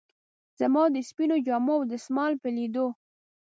زما د سپینو جامو او دستمال په لیدو.